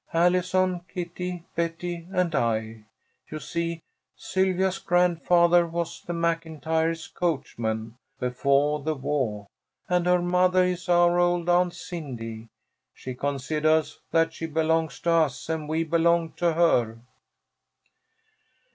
"Allison, Kitty, Betty, and I. You see, Sylvia's grandfathah was the MacIntyre's coachman befoah the wah, and her mothah is our old Aunt Cindy. She considahs that she belongs to us and we belong to her."